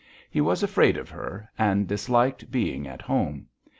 He was afraid of her and disliked being at home.